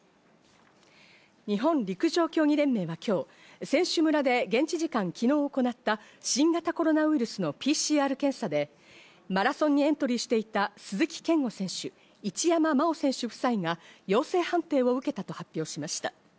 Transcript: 日本陸上競技連盟は今日、選手村で現地時間昨日行った新型コロナウイルスのＰＣＲ検査で、マラソンにエントリーしていた鈴木健吾選手、一山麻緒選手夫妻が、陽性判定を受けたと発表しました。